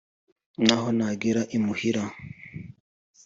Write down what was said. Naho nagera i muhira